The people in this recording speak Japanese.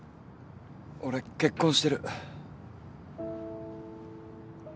俺結婚してる。